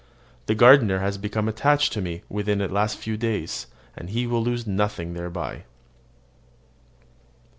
The gardener has become attached to me within the last few days, and he will lose nothing thereby.